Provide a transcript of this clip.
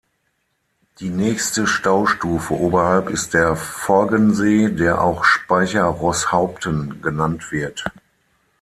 Die nächste Staustufe oberhalb ist der Forggensee, der auch Speicher Roßhaupten genannt wird.